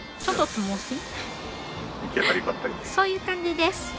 そういう感じです。